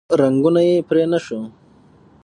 رګونه یې پرې نه شو